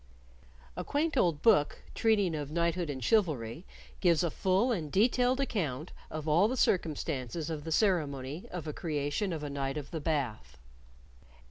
A quaint old book treating of knighthood and chivalry gives a full and detailed account of all the circumstances of the ceremony of a creation of a Knight of the Bath.